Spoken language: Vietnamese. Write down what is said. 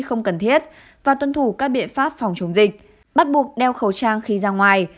không cần thiết và tuân thủ các biện pháp phòng chống dịch bắt buộc đeo khẩu trang khi ra ngoài